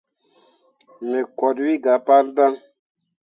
Me koot wi gah pal daŋ.